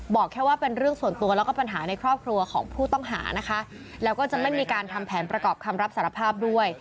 บอกแค่ว่าเป็นเรื่องส่วนตัวแล้วก็ปัญหาในครอบครัวของผู้ต้องหานะคะแล้วก็จะไม่มีการทำแผนประกอบคำรับสารภาพด้วย